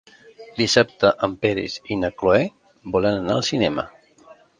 Dissabte en Peris i na Cloè volen anar al cinema.